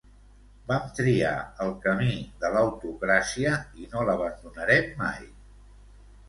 Vam triar el camí de l'autocràcia i no l'abandonarem mai.